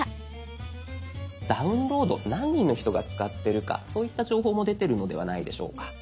「ダウンロード」何人の人が使ってるかそういった情報も出てるのではないでしょうか。